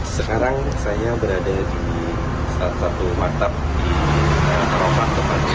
sekarang saya berada di salah satu maktab di arafah